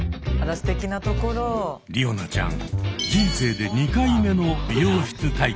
りおなちゃん